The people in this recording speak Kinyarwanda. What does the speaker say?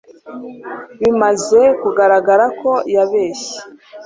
Bimaze kugaragara ko yabeshye.